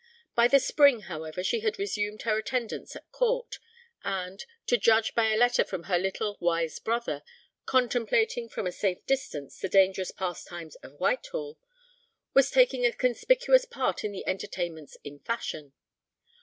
By the spring, however, she had resumed her attendance at Court, and to judge by a letter from her little wise brother, contemplating from a safe distance the dangerous pastimes of Whitehall was taking a conspicuous part in the entertainments in fashion.